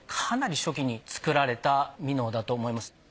かなり初期に作られたミノーだと思います。